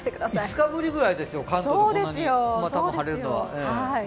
５日ぶりぐらいですよ、関東でこんなに晴れるのは。